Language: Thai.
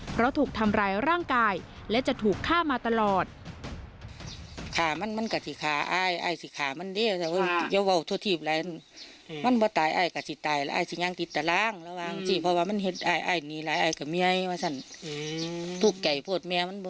เพราะถูกทำร้ายร่างกายและจะถูกฆ่ามาตลอด